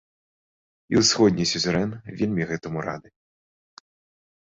І ўсходні сюзерэн вельмі гэтаму рады.